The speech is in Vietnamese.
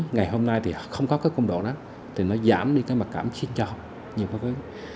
ngày hôm nay thì không có cái công đoán đó thì nó giảm đi các mạc cảm xin cho